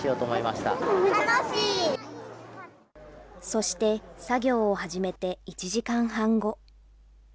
そして、作業を始めて１時間半後。